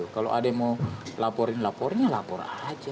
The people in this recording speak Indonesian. kalau ada yang mau laporin lapornya lapor aja